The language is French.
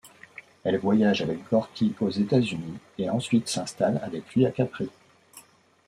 Elle voyage avec Gorki aux États-Unis et ensuite s'installe avec lui à Capri.